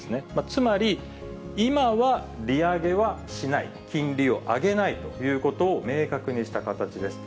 つまり、今は利上げはしない、金利を上げないということを明確にした形です。